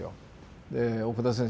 で「奥田先生